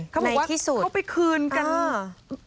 เขาบอกว่าเขาไปคืนกัน